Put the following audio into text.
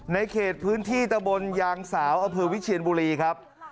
ในพื้นที่ตะบนยางสาวอเภอวิเชียนบุรีครับ